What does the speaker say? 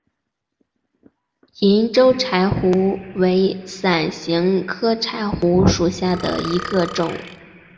银州柴胡为伞形科柴胡属下的一个种。